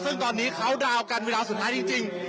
ซึ่งตอนนี้เขาดาวน์กันเวลาสุดท้ายจริง